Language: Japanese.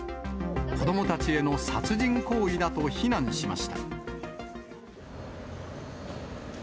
子どもたちへの殺人行為だと避難しました。